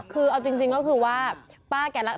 คือเอาจริงก็คือว่าป้าแกรัก